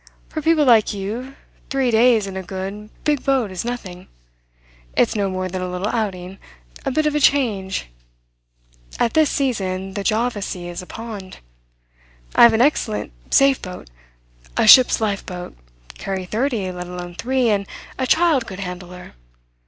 "For people like you, three days in a good, big boat is nothing. It's no more than a little outing, a bit of a change. At this season the Java Sea is a pond. I have an excellent, safe boat a ship's life boat carry thirty, let alone three, and a child could handle her.